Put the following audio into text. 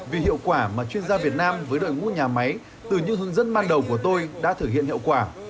vì hiệu quả mà chuyên gia việt nam với đội ngũ nhà máy từ những hướng dẫn ban đầu của tôi đã thực hiện hiệu quả